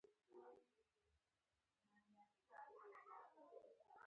د کوټ له اغوستو وړاندې مې له لستوڼو نه.